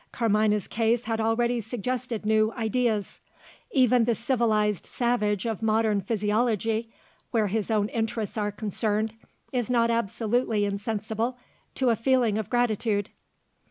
Carmina's case had already suggested new ideas. Even the civilised savage of modern physiology (where his own interests are concerned) is not absolutely insensible to a feeling of gratitude.